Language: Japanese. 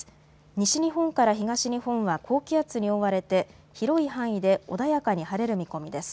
西日本から東日本は高気圧に覆われて広い範囲で穏やかに晴れる見込みです。